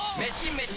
メシ！